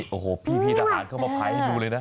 โอ้โหพี่ทหารเข้ามาภัยให้ดูเลยนะ